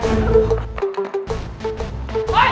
kau malah mencari